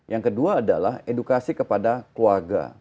yang kedua adalah edukasi kepada keluarga